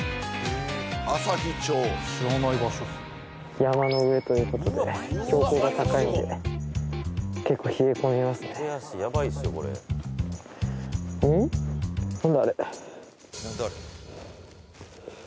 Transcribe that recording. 山の上ということで標高が高いんで結構冷え込みますねうん？